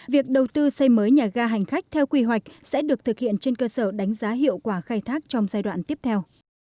việc đầu tư xây mới nhà ga hành khách theo quy hoạch sẽ được thực hiện trên cơ sở đánh giá hiệu quả khai thác trong giai đoạn tiếp theo